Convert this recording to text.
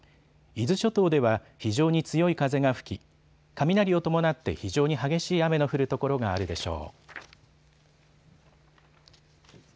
伊豆諸島では非常に強い風が吹き、雷を伴って非常に激しい雨の降る所があるでしょう。